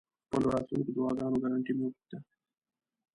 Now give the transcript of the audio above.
د خپلو راتلونکو دعاګانو ګرنټي مې وغوښته.